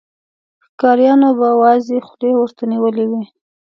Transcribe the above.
ښکاريانو به وازې خولې ورته نيولې وې.